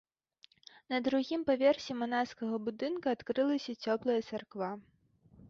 На другім паверсе манаскага будынка адкрылася цёплая царква.